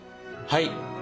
はい。